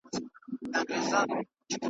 خو اسمان دی موږ ته یو بهار ټاکلی .